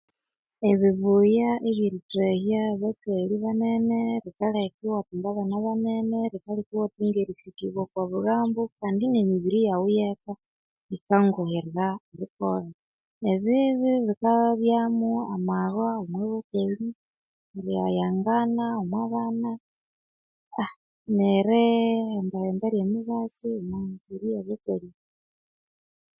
Ebibuya ebyerithahya abakali banene bikaleka iwabutha abana banene iwathunga irisikibwa okobulhambo Kandi nemibiri yaghu eyeka yikanguhirawa erikoleka ebibi bikalhwamo amalhwa omobakali erighayangana omobana aaa nerihembahemba eryemibatsi